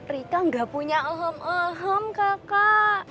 rika enggak punya ahem ahem kakak